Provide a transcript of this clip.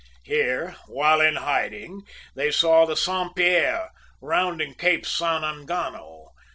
"Here, while in hiding, they saw the Saint Pierre rounding Cape San Engano.